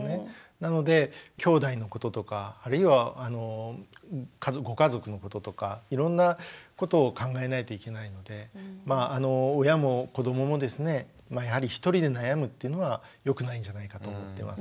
なのできょうだいのこととかあるいはご家族のこととかいろんなことを考えないといけないのでまああの親も子どももですねやはり一人で悩むっていうのはよくないんじゃないかと思ってます。